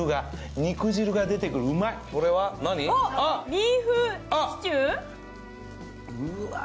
ビーフシチュー？